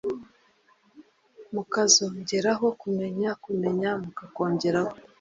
mukazongeraho kumenya kumenya mukakongeraho